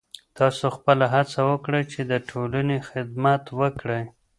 تاسو خپله هڅه وکړئ چې د ټولنې خدمت وکړئ.